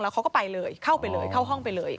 เขาก็ไปเลยเข้าไปเลยเข้าห้องไปเลย